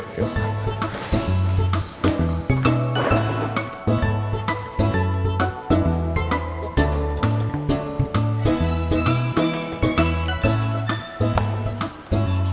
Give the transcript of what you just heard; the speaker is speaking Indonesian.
oh itu burung sedikit aja nya